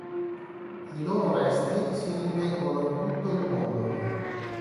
I loro resti si rinvengono in tutto il mondo.